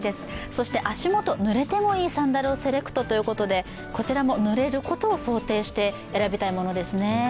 そして足元ぬれてもいいサンダルをセレクトいうことでこちらもぬれることを想定して選びたいものですね。